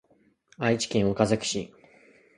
愛知県岡崎市